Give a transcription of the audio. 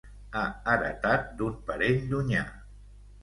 Ha heretat d'un parent llunyà.